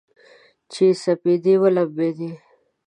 چې سپېدې ولمبیدې